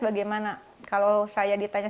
bagaimana kalau saya ditanya